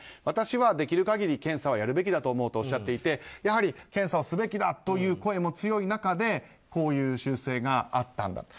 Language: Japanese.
私はできる限り検査をやるべきだと思うとおっしゃっていてやはり検査をすべきだという声も強い中こういう修正があったと。